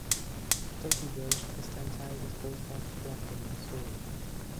Dotyville ist ein Teil des Großraums Joplin, Missouri.